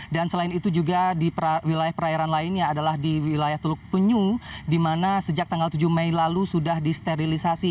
dan selain itu juga di wilayah perairan lainnya adalah di wilayah tuluk penyu di mana sejak tanggal tujuh mei lalu sudah disterilisasi